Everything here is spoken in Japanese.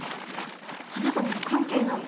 あなたには関係ない。